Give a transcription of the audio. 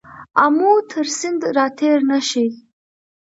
آمو تر سیند را تېر نه شې.